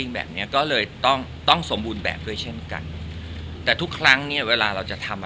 แบบเนี้ยก็เลยต้องต้องสมบูรณ์แบบด้วยเช่นกันแต่ทุกครั้งเนี้ยเวลาเราจะทำอ่ะ